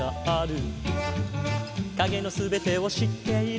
「影の全てを知っている」